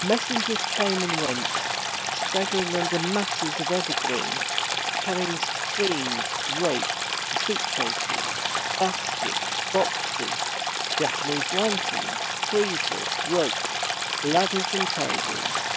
Messengers came and went, staggering under masses of evergreen, carrying screens, rope, suit cases, baskets, boxes, Japanese lanterns, freezers, rugs, ladders, and tables.